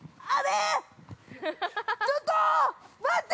ちょっと待って。